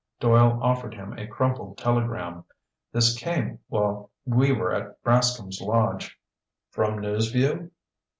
Doyle offered him a crumpled telegram. "This came while we were at Rascomb's lodge." "From News Vue?"